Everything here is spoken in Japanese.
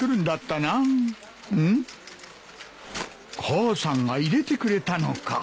母さんが入れてくれたのか。